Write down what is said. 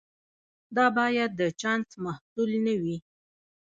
دا باید د چانس محصول نه وي.